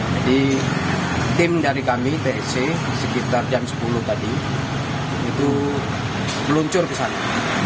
jadi tim dari kami tsc sekitar jam sepuluh tadi itu meluncur ke sana